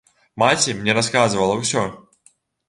Маці мне расказвала ўсё.